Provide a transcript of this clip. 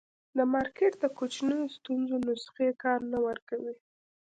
د مارکېټ د کوچنیو ستونزو نسخې کار نه ورکوي.